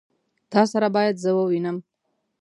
تا سره بايد زه ووينم.